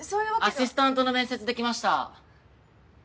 アシスタントの面接で来ました。